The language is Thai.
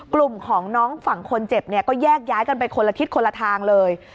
กลุ่มของน้องฝั่งคนเจ็บเนี่ยก็แยกย้ายกันไปคนละทิศคนละทางเลย